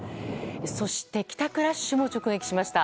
そして帰宅ラッシュも直撃しました。